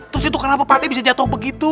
terus itu kenapa pak d bisa jatuh begitu